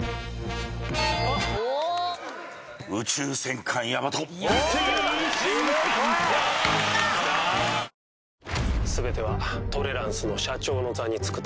『宇宙戦艦ヤマト』「全てはトレランスの社長の座に就くため」